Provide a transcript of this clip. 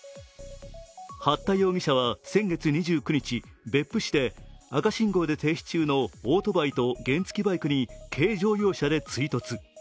八田容疑者は先月２９日、別府市で赤信号で停止中のオートバイと原付バイクに軽乗用車で追突。